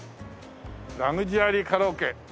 「ラグジュアリーカラオケ」